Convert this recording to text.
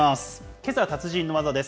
けさ、達人の技です。